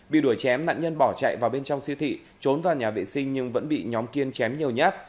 bị đuổi chém nạn nhân bỏ chạy vào bên trong siêu thị trốn vào nhà vệ sinh nhưng vẫn bị nhóm kiên chém nhiều nhát